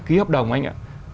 ký hợp đồng anh ạ